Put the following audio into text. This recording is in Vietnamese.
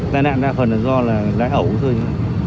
tài nạn ra phần là do lái ẩu thôi